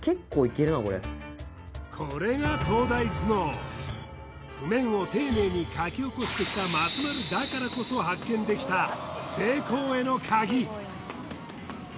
これが東大頭脳譜面を丁寧に書き起こしてきた松丸だからこそ発見できた成功へのカギ